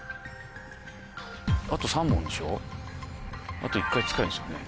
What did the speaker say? あと１回使えるんですよね？